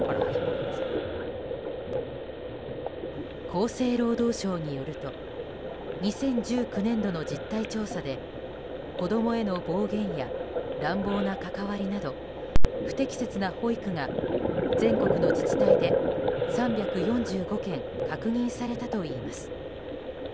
厚生労働省によると２０１９年度の実態調査で子供への暴言や乱暴な関わりなど不適切な保育が全国の自治体で３４５件確認されたといいます。